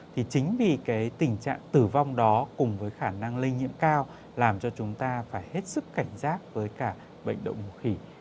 thì chính vì tình trạng tử vong đó cùng với khả năng lây nhiễm cao làm cho chúng ta phải hết sức cảnh giác với cả bệnh động mũ khỉ